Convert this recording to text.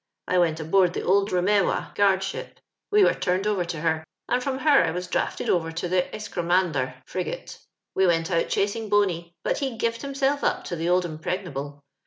I went abou^ the Old iBemewa gnardship — we were turned over to her — and from her I was drafted over to the Escramander frigate. We went out chasing Boney, but he gived himself up to the Old Impregnable.